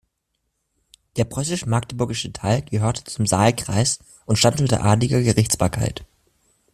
Der preußisch-magdeburgische Teil gehörte zum Saalkreis und stand unter adliger Gerichtsbarkeit.